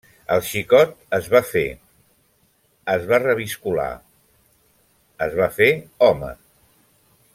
El xicot es va fer… es va reviscolar… es va fer home…